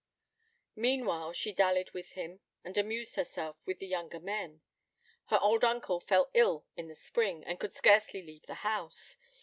Meanwhile she dallied with him, and amused herself with the younger men. Her old uncle fell ill in the spring, and could scarcely leave the house.